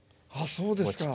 あそうですか。